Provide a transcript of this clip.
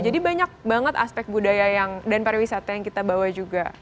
jadi banyak banget aspek budaya dan pariwisata yang kita bawa juga